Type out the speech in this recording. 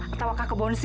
atau kak kek bonesi